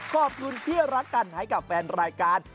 ขอบคุณที่รักกันให้กับแฟนรายการ